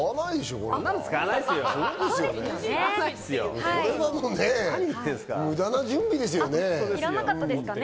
これはもうね、無駄な準備ですよね。